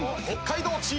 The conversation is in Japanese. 北海道は。